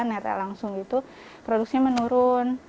netek langsung itu produksi menurun